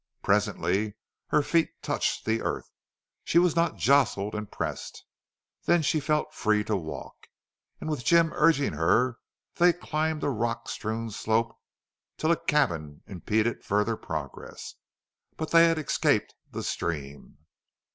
Presently her feet touched the earth; she was not jostled and pressed; then she felt free to walk; and with Jim urging her they climbed a rock strewn slope till a cabin impeded further progress. But they had escaped the stream.